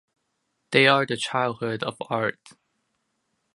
They are the childhood of art.